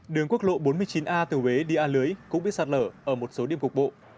đường quốc lộ bốn mươi chín a từ huế đi a lưới cũng bị sạt lở ở một số điểm cục bộ